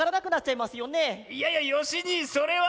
いやいやよしにいそれは。